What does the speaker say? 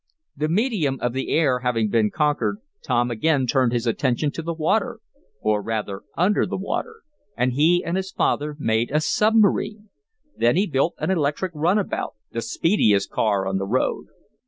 The medium of the air having been conquered, Tom again turned his attention to the water, or rather, under the water, and he and his father made a submarine. Then he built an electric runabout, the speediest car on the road.